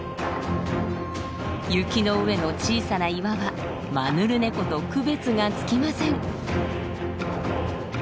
雪の上の小さな岩はマヌルネコと区別がつきません。